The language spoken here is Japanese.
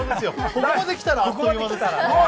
ここまで来たら、あっという間ですから。